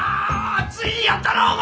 ついにやったなお前！